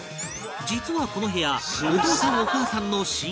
実はこの部屋お父さんお母さんの寝室